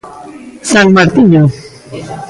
San Martiño.